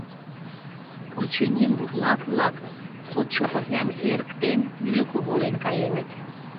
Очыни, бурлак-влак, кодшо пырням эрыктен, ӱлыкӧ волен каеныт.